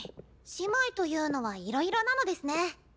姉妹というのはいろいろなのですね。